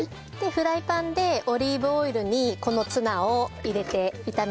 フライパンでオリーブオイルにこのツナを入れて炒めてください。